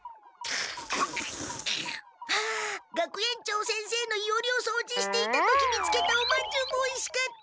ああ学園長先生のいおりをそうじしていた時見つけたおまんじゅうもおいしかった。